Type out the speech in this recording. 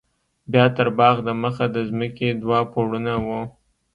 بيا تر باغ د مخه د ځمکې دوه پوړونه وو.